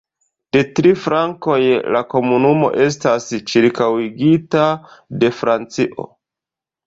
De tri flankoj la komunumo estas ĉirkaŭigita de Francio.